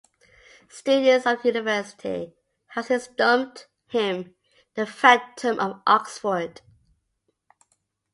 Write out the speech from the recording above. Students of the University have since dubbed him the "Phantom of Oxford".